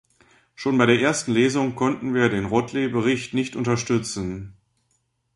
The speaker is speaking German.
Schon bei der ersten Lesung konnten wir den Rothley-Bericht nicht unterstützen.